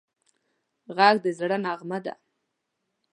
غږ د زړه نغمه ده